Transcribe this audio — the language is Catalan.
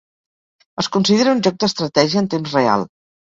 Es considera un joc d'estratègia en temps real.